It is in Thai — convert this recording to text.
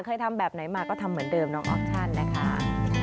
เคยทำแบบไหนมาก็ทำเหมือนเดิมน้องออกชั่นนะคะ